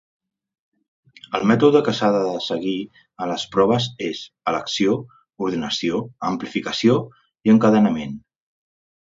El mètode que s'ha de seguir en les proves és: elecció, ordenació, amplificació i encadenament.